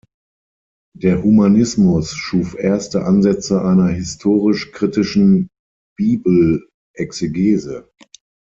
Der Humanismus schuf erste Ansätze einer historisch-kritischen Bibelexegese.